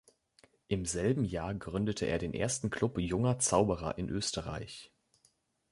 Im selben Jahr gründete er den ersten Club Junger Zauberer in Österreich.